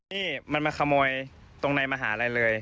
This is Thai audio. นี่มันมาขโมยตรงในมหาลัยเลย